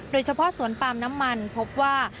โดยเฉพาะสวนปาล์มน้ำมันพบว่า